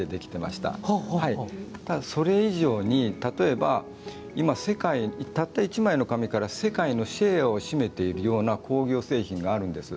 ただ、それ以上に例えば、今たった１枚の紙から世界にシェアを占めているような工業製品があるんです。